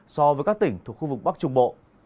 so với các tỉnh thuộc khu vực bắc trung bộ